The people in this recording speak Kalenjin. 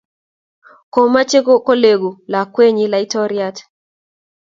komeche koleku lakwenyin laitoriat